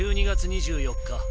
１２月２４日